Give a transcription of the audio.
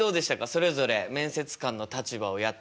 それぞれ面接官の立場をやってみて。